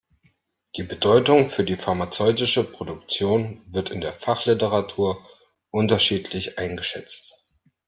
Die Bedeutung für die pharmazeutische Produktion wird in der Fachliteratur unterschiedlich eingeschätzt.